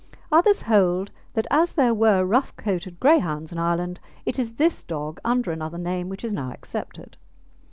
Others hold that as there were rough coated Greyhounds in Ireland, it is this dog, under another name, which is now accepted.